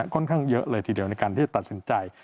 ค่อนข้างเยอะเลยทีเดียวในการที่จะตัดสินใจ